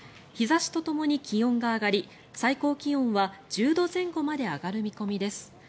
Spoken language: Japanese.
日差しとともに気温が上がり最高気温は１０度前後まで上がる見込みです。